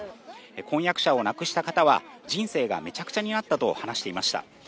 婚約者を亡くした方は人生がめちゃくちゃになったと話していました。